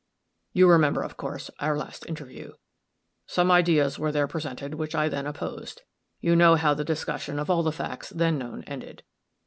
You remember, of course, our last interview. Some ideas were there presented which I then opposed. You know how the discussion of all the facts then known ended.